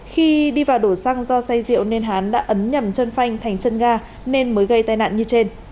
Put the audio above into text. khi đi vào đổ xăng do say rượu nên hắn đã ấn nhầm chân phanh thành chân ga nên mới gây tai nạn như trên